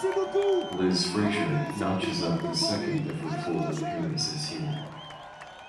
Liz Fraser notches up the second of her four appearances here.